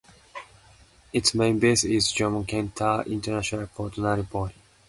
Its main base is Jomo Kenyatta International Airport, Nairobi.